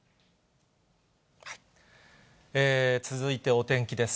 続いてお天気です。